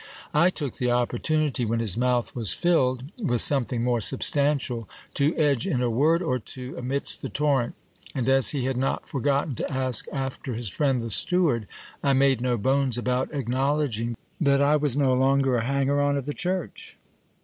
I took the opportunity, when his IXGRATITUDE OF LEWIS GARCIAS. lyj mouth was filled with something more substantial, to edge in a word or two amidst the torrent ; and as he had not forgotten to ask after his friend the steward, I made no bones about acknowledging that I was no longer a hanger on of the church.